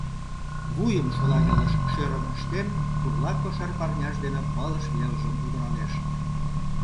Вуйым шола велыш шӧрын ыштен, пурла кошар парняж дене пылыш велжым удыралеш.